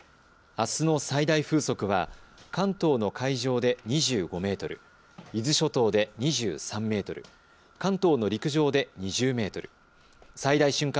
あすの最大風速は関東の海上で２５メートル、伊豆諸島で２３メートル、関東の陸上で２０メートル、最大瞬間